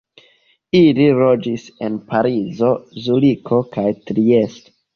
Ili loĝis en Parizo, Zuriko kaj Triesto.